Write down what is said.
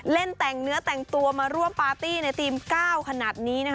เล่นแต่งเนื้อแต่งตัวมาร่วมปาร์ตี้ในธีม๙ขนาดนี้นะคะ